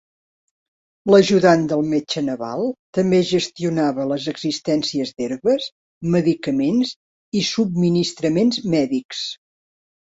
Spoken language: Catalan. L'ajudant del metge naval també gestionava les existències d'herbes, medicaments i subministraments mèdics.